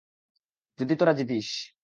যদি তোরা জিতিস।